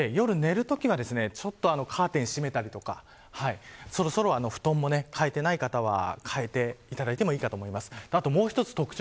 なので、夜寝るときはカーテンを閉めたりとかそろそろ布団も変えていない方は変えていただいてもいいと思います。